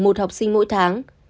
một học sinh mỗi tháng